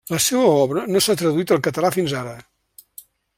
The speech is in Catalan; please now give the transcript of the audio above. La seua obra no s'ha traduït al català fins ara.